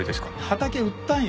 畑売ったんよ。